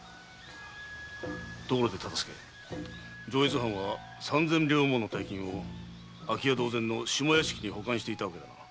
ところで忠相上越藩は三千両もの大金を空き家同然の下屋敷に保管していたわけだな？